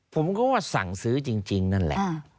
ผมก็ว่าสั่งซื้อจริงนั่นแหละ